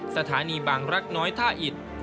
สถานีบางรักน้อยท่าอิด